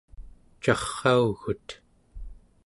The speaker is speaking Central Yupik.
carraugut